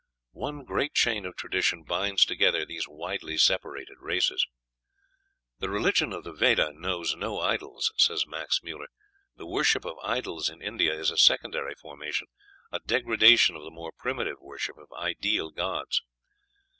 One great chain of tradition binds together these widely separated races. "The religion of the Veda knows no idols," says Max Müller; "the worship of idols in India is a secondary formation, a degradation of the more primitive worship of ideal gods."